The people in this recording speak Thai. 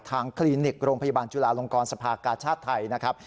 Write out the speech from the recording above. คลินิกโรงพยาบาลจุลาลงกรสภากาชาติไทยนะครับ